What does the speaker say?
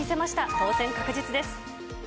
当選確実です。